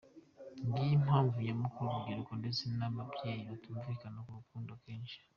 Ngiyi impamvu nyamukuru urubyiruko ndetse n’ababyeyi batumvikana ku rukundo akenshi.